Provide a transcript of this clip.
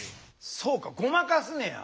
そうかごまかすねや。